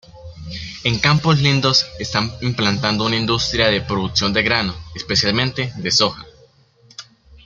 En Campos Lindos está implantado una industria de producción de grano, especialmente de soja.